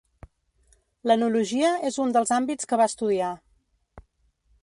L'enologia és un dels àmbits que va estudiar.